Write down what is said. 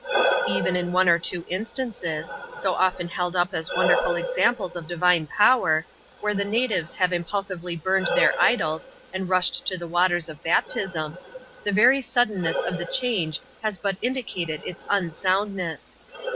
Even in one or two instances — so often held up as wonderful examples of divine power — where the natives have impulsively burned their idols, and rushed to the waters of baptism, the very suddenness of the change has but indicated its unsound ness.